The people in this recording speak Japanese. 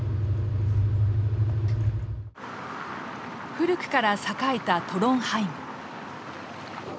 古くから栄えたトロンハイム。